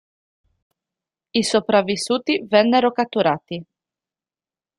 I sopravvissuti vennero catturati.